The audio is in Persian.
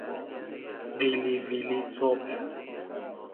قیلی ویلی صبح